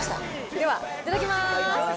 では、いただきます。